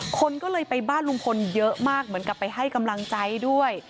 คนก็เลยไปบ้านลุงพลเยอะมากเหมือนกับไปให้กำลังใจด้วย